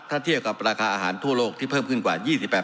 ถ้าเทียบกับราคาอาหารทั่วโลกที่เพิ่มขึ้นกว่า๒๘